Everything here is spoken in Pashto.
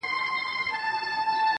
په دې خلکو کې بس دومره انسانيت دې